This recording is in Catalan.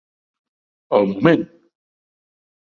El Moment!